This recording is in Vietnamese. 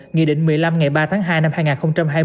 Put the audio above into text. nghị định một mươi năm ngày ba tháng hai năm hai nghìn hai mươi